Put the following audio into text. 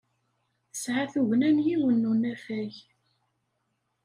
Tesɛa tugna n yiwen n unafag.